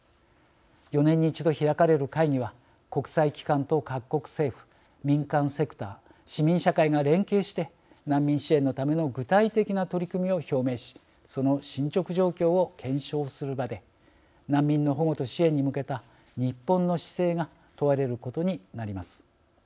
４年に１度開かれる会議は国際機関と各国政府民間セクター市民社会が連携して難民支援のための具体的な取り組みを表明しその進捗状況を検証する場で難民の保護と支援に向けた日本の姿勢が問われることになります。